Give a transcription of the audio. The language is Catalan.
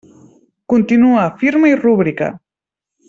Continua firma i rúbrica.